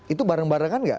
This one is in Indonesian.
itu bareng barengan nggak